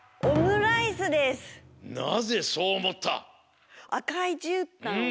なぜそうおもった？